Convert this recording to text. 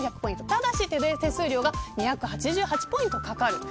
ただし手数料が２８８ポイントです。